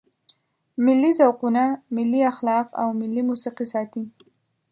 ملي ذوقونه، ملي اخلاق او ملي موسیقي ساتي.